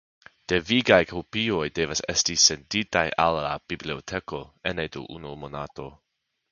Devigaj kopioj devas esti senditaj al la biblioteko ene de unu monato.